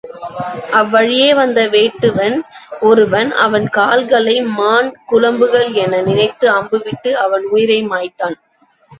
அவ்வழியே வந்த வேடுவன் ஒருவன் அவன் கால்களை மான் குளம்புகள் என நினைத்து அம்புவிட்டு அவன் உயிரை மாய்த்தான்.